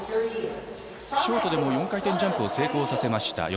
ショートでも４回転ジャンプを成功させました。